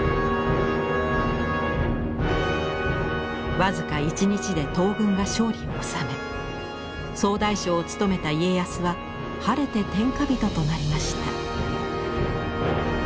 僅か１日で東軍が勝利を収め総大将を務めた家康は晴れて天下人となりました。